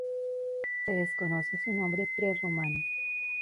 Se desconoce su nombre pre-romano.